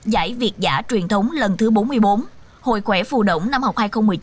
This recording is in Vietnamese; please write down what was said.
giải việt giả truyền thống lần thứ bốn mươi bốn hội khỏe phù động năm học hai nghìn một mươi chín hai nghìn hai mươi